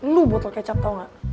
lo botol kecap tau gak